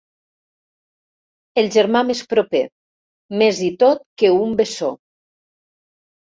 El germà més proper, més i tot que un bessó.